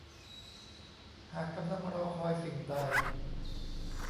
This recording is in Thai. หากกำลังรอคอยสิ่งใด